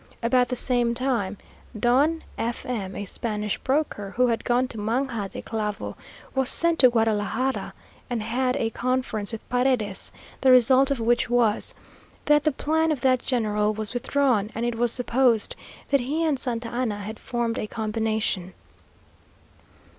About the same time, Don F M , a Spanish broker, who had gone to Manga de Clavo, was sent to Guadalajara, and had a conference with Paredes, the result of which was, that the plan of that general was withdrawn, and it was supposed that he and Santa Anna had formed a combination.